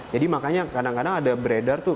jadi makanya kadang kadang ada beredar tuh